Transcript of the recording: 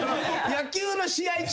野球の試合中